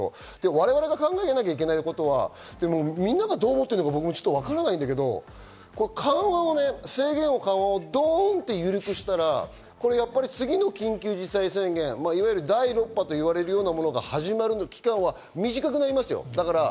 我々が考えなきゃいけないことは、みんながどう思ってるか僕も分からないけど、制限緩和をドンと緩くしたら、次の緊急事態宣言、いわゆる第６波と言われるようなものが始まる期間は短くなりますよ。